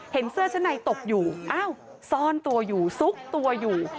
เสื้อชั้นในตกอยู่อ้าวซ่อนตัวอยู่ซุกตัวอยู่